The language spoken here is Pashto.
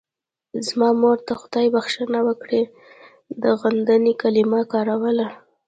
زما مور ته خدای بښنه وکړي د غندنې کلمه کاروله.